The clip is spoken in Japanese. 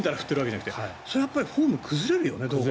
それはフォーム崩れるよね。